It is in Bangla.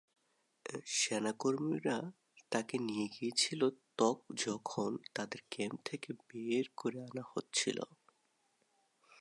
সেনা কর্মীরা তাকে নিয়ে গিয়েছিল যখন তাদের ক্যাম্প থেকে বের করে আনা হচ্ছিল।